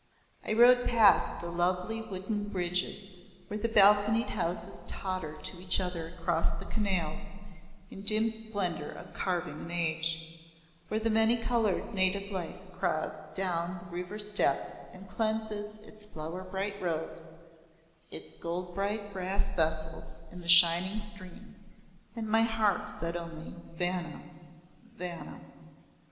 I rode past the lovely wooden bridges where the balconied houses totter to each other across the canals in dim splendour of carving and age; where the many coloured native life crowds down to the river steps and cleanses its flower bright robes, its gold bright brass vessels in the shining stream, and my heart said only Vanna, Vanna!